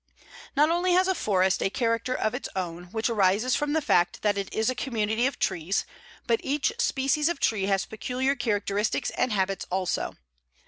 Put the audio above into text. Not only has a forest a character of its own, which arises from the fact that it is a community of trees, but each species of tree has peculiar characteristics and habits also.